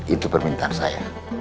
itu permintaan saya